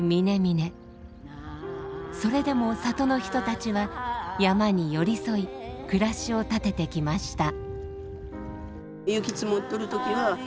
それでも里の人たちは山に寄り添い暮らしを立ててきました。